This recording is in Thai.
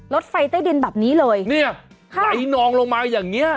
รถไฟใต้ดินแบบนี้เลยเนี่ยไหลนองลงมาอย่างเงี้ย